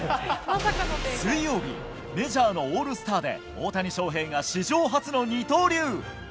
水曜日、メジャーのオールスターで大谷翔平が史上初の二刀流。